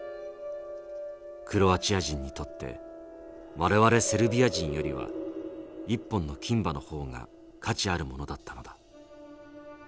クロアチア人にとって我々セルビア人よりは一本の金歯の方が価値あるものだったのだ」。